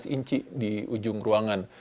empat belas inci di ujung ruangan